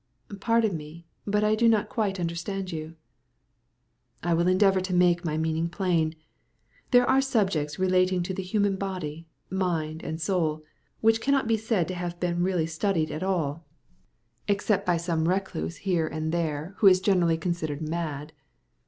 "Pardon me, but I do not quite understand you." "I will endeavour to make my meaning plain. There are subjects relating to the human body, mind, and soul, which cannot be said to have been really studied at all, except by some recluse here and there, who is generally considered mad.